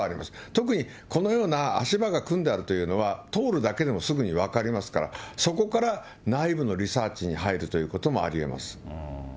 特にこのような足場が組んであるというのは、通るだけでもすぐに分かりますから、そこから内部のリサーチに入るということもありえます。